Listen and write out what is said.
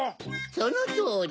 そのとおり。